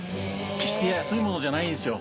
決して安いものじゃないんですよ。